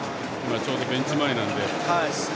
ちょうど、ベンチ前なので。